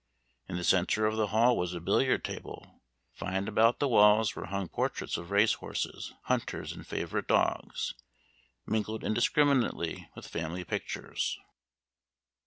In the centre of the hall was a billiard table, find about the walls were hung portraits of race horses, hunters, and favorite dogs, mingled indiscriminately with family pictures.